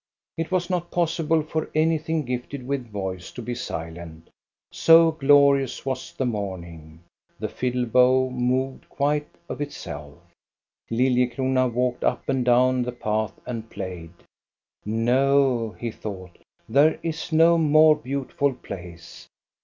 It was not possible for anything gifted with voice to be silent, so glorious was the morning. The fiddle bow moved quite of itself. Lilliecrona walked up and down the paths and played. " No/' he thought, " there is no more beauti ful place."